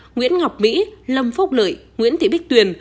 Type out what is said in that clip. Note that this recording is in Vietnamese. nguyễn ngọc mỹ lâm phúc lợi nguyễn thị bích tuyền